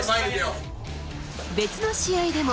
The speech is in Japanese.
別の試合でも。